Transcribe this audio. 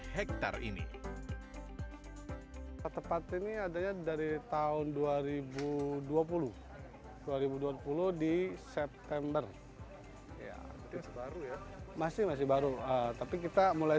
hektare ini tepat ini adanya dari tahun dua ribu dua puluh dua ribu dua puluh di september ya baru ya masih masih baru tapi kita mulai